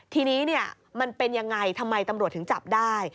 ทีนี้มันเป็นยังไงทำไมตำรวจถึงจับได้